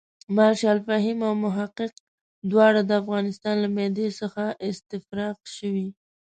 مارشال فهیم او محقق دواړه د افغانستان له معدې څخه استفراق شوي.